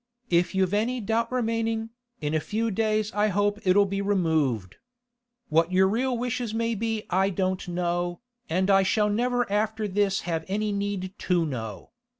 If you've any doubt remaining, in a few days I hope it'll be removed. What your real wishes maybe I don't know, and I shall never after this have any need to know.